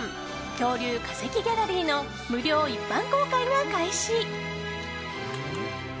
恐竜・化石ギャラリーの無料一般公開が開始。